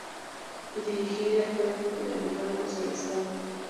Dirigir al Cuerpo de Abogados del Estado.